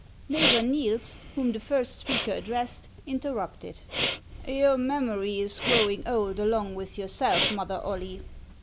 Neighbor Niels, whom the first speaker addressed, inter rupted : "Your memory is growing old along with your self. Mother Oily.